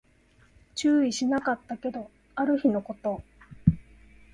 注意しなかったけど、ある日のこと